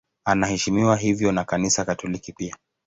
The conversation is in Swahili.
Anaheshimiwa hivyo na Kanisa Katoliki pia.